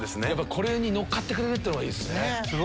これに乗っかってくれるっていうのがいいっすね。